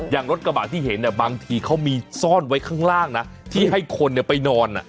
อย่างรถกระบะที่เห็นบางทีเขามีซ่อนไว้ข้างล่างนะที่ให้คนไปนอน